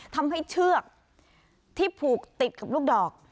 ทำให้เชือกที่ผูกติดกับลูกดอก